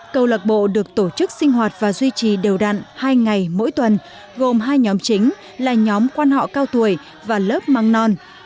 câu lạc bộ được tổ chức sinh hoạt và duy trì đều đặn hai ngày mỗi tuần gồm hai nhóm chính là nhóm quan họ cao tuổi và lớp măng non